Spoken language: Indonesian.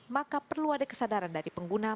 maka perlu ada kesadaran dari pengguna